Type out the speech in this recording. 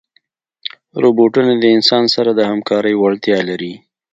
روبوټونه د انسان سره د همکارۍ وړتیا لري.